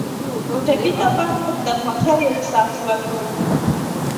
ټپي ته باید د خوښۍ احساس ورکړو.